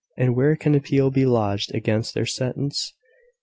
and where can appeal be lodged against their sentence?